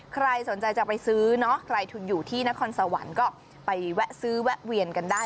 ใครสนใจจะไปซื้อเนาะใครทุนอยู่ที่นครสวรรค์ก็ไปแวะซื้อแวะเวียนกันได้